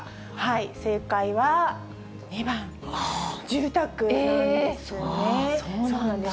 正解は２番、住宅なんですね。